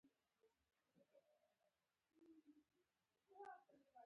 خلک دې وايي تُهمتونه زه د ليلا په غېږ کې چا ليدلی يمه